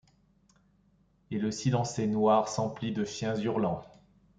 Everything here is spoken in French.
Et le silencé noir s'emplit de chiens hurlants.